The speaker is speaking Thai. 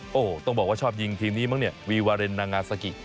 โอ้โหต้องบอกว่าชอบยิงทีมนี้มั้งเนี่ยวีวาเรนนางาซากิ